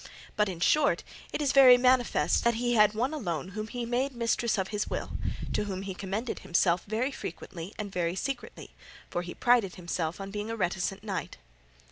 But, in short, it is very manifest that he had one alone whom he made mistress of his will, to whom he commended himself very frequently and very secretly, for he prided himself on being a reticent knight."